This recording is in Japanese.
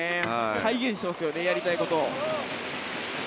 体現しますよねやりたいことを。